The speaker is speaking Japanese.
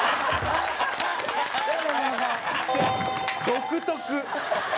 「独特」